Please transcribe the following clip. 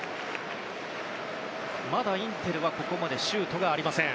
まだインテルはここまでシュートがありません。